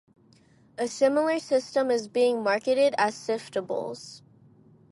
A similar system is being marketed as "Siftables".